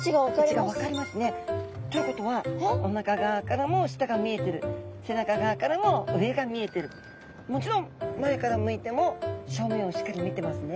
位置が分かりますね。ということはおなか側からも下が見えてる背中側からも上が見えてるもちろん前から向いても正面をしっかり見てますね。